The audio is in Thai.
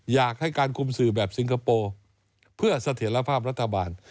อยากให้การคุมสื่อแบบสิงคโปร์เพื่อเสถียรภาพรัฐบาล